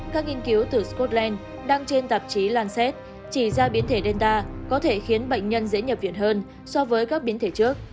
các nghiên cứu từ scotland đăng trên tạp chí lanset chỉ ra biến thể delta có thể khiến bệnh nhân dễ nhập viện hơn so với các biến thể trước